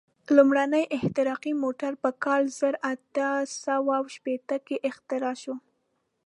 لومړنی احتراقي موټر په کال زر اته سوه شپېته کې اختراع شو.